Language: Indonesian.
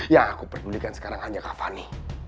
yang aku pedulikan sekarang hanya kak fani